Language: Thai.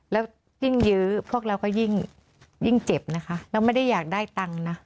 แล้วยิ่งยื้อพวกเราก็ยิ่งเจ็บนะคะเราไม่ได้อยากได้ตังค์นะ